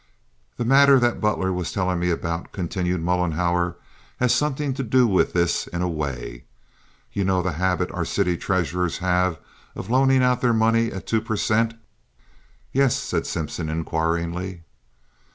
"The matter that Butler was telling me about," continued Mollenhauer, "has something to do with this in a way. You know the habit our city treasurers have of loaning out their money at two per cent.?" "Yes?" said Simpson, inquiringly.